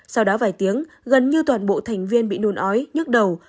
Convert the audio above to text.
sau đó vài tiếng gần như toàn bộ thành viên bị nôn ói nhức đầu